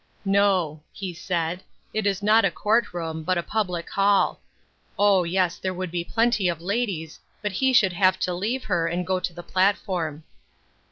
"No," he said, "it was not a court room, but a public hall. O yes ! there would be plenty of ladies ; but he should have to leave her, and go to the platform."